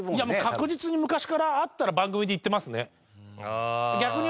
確実に昔からあったら番組で行ってますね。